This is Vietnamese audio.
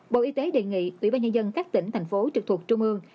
bộ y tế đề nghị ủy ban nhân dân các tỉnh thành phố trực thuộc trung ương